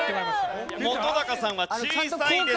本さんは小さいですが。